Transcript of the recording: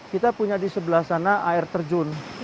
kita punya disebelah sana air terjun